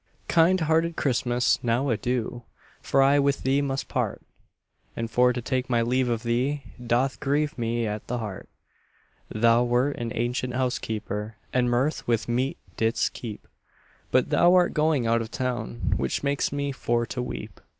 Kind hearted Christmas, now adieu, For I with thee must part, And for to take my leave of thee Doth grieve me at the heart; Thou wert an ancient housekeeper, And mirth with meat didst keep, But thou art going out of town, Which makes me for to weep.